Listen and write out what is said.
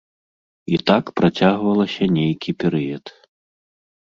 І так працягвалася нейкі перыяд.